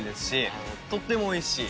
とっても美味しい。